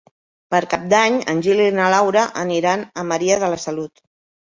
Per Cap d'Any en Gil i na Laura aniran a Maria de la Salut.